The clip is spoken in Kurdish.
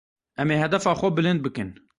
Em ê hedefa xwe bilind bikin.